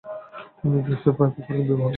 তিনি জোসেফা পেপাকে বিবাহ করেন।